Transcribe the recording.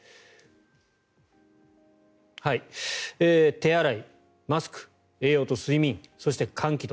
手洗い、マスク、栄養と睡眠そして、換気と。